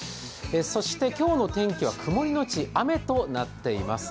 そして今日の天気は曇のち雨となっています。